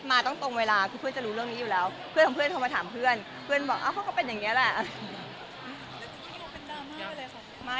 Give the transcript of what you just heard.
มีตุ๊กตาไหมอยากแน่นอนค่ะแล้วก็ต้องดูบทไปด้วยนะคะ